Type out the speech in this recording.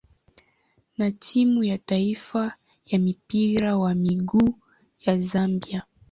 na timu ya taifa ya mpira wa miguu ya Zambia.